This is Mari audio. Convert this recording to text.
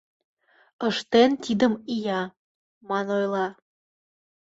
Ыштен тидым ия», Ман ойла